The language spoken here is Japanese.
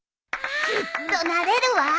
きっとなれるわ！